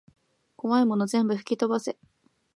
こわいもの全部ふきとばせ